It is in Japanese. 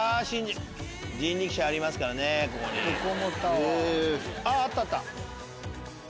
そしてあっあったあった！